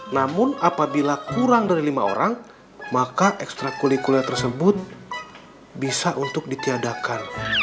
namun apabila kurang dari lima orang maka ekstra kulit kulit tersebut bisa untuk ditiadakan